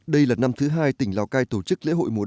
đây là năm thứ hai tỉnh lào cai tổ chức